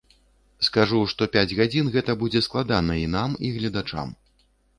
Скажу, што пяць гадзін гэта будзе складана і нам, і гледачам.